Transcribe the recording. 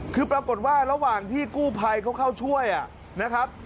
คือปรากฏว่าระหว่างที่กู้ภัยเขาเข้าช่วยนะครับ